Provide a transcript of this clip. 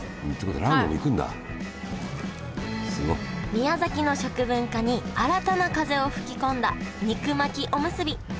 宮崎の食文化に新たな風を吹き込んだ肉巻きおむすび。